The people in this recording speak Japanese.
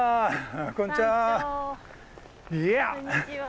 こんにちは。